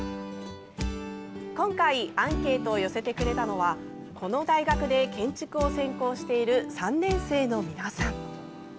今回、アンケートを寄せてくれたのはこの大学で建築を専攻している３年生の皆さん。